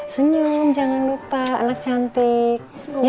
senyum jangan lupa anak cantik